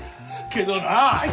けどなあ！